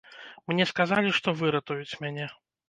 Мне сказалі, што выратуюць мяне.